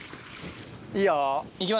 いいよ。